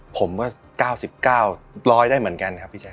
ผมว่า๙๙๑๐๐ได้เหมือนกันครับพี่แจ๊